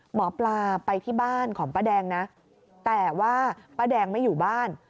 หมอปลาไปที่บ้านของป้าแดงนะแต่ว่าป้าแดงไม่อยู่บ้าน